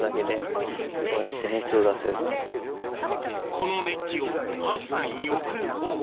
この熱気をハウス内に送る方法